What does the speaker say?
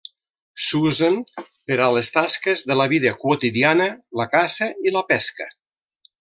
S'usen per a les tasques de la vida quotidiana, la caça i la pesca.